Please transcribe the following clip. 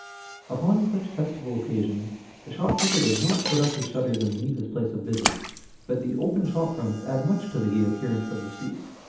Upon such festival occasions the shopkeeper does not put up his shutters and leave his place of business, but the open shop fronts add much to the gay appearance of the street.